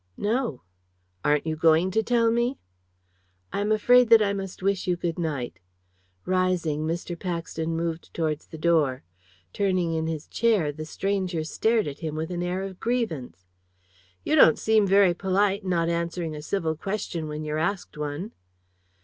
"No." "Aren't you going to tell me?" "I am afraid that I must wish you good night." Rising, Mr. Paxton moved towards the door. Turning in his chair, the stranger stared at him with an air of grievance. "You don't seem very polite, not answering a civil question when you're asked one."